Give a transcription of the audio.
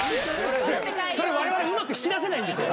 それわれわれうまく引き出せないんですよ。